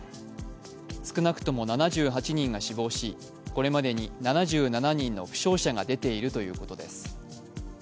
少なくとも７８人が死亡しこれまでに７７人の負傷者が出ているということです。